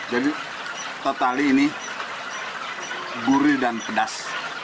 jadi total ini gurih dan pedas